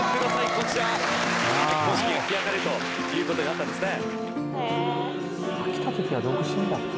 こちら結婚式が開かれるということになったんですね